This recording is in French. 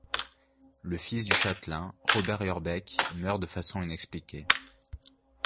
Le fils du châtelain, Robert Yorbeck, meurt de façon inexpliquée.